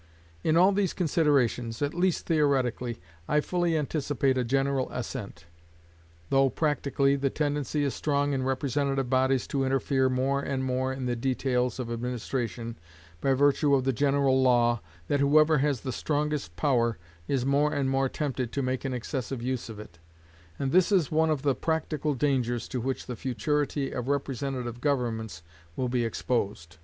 In all these considerations, at least theoretically, I fully anticipate a general assent; though, practically, the tendency is strong in representative bodies to interfere more and more in the details of administration, by virtue of the general law, that whoever has the strongest power is more and more tempted to make an excessive use of it; and this is one of the practical dangers to which the futurity of representative governments will be exposed.